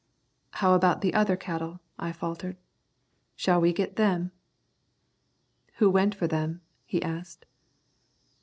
"How about the other cattle," I faltered; "shall we get them?" "Who went for them?" he asked.